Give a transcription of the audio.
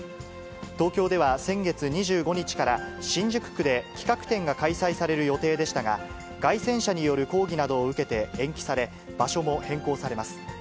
東京では先月２５日から新宿区で企画展が開催される予定でしたが、街宣車による抗議などを受けて延期され、場所も変更されます。